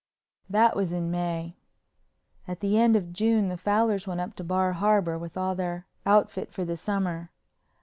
That was in May. At the end of June the Fowlers went to Bar Harbor with all their outfit for the summer.